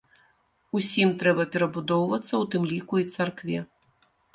Усім трэба перабудоўвацца, у тым ліку і царкве.